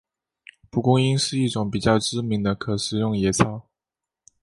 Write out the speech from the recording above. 蒲公英是一种比较知名的可食用野草。